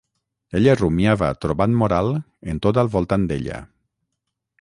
Ella rumiava trobant moral en tot al voltant d'ella.